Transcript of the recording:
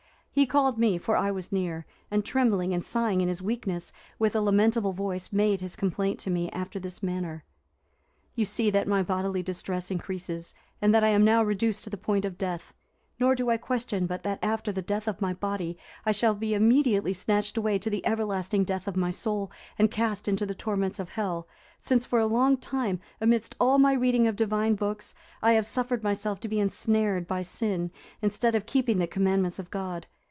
He called me, for I was near, and trembling and sighing in his weakness, with a lamentable voice made his complaint to me, after this manner: 'You see that my bodily distress increases, and that I am now reduced to the point of death. Nor do I question but that after the death of my body, I shall be immediately snatched away to the everlasting death of my soul, and cast into the torments of hell, since for a long time, amidst all my reading of divine books, I have suffered myself to be ensnared by sin, instead of keeping the commandments of God.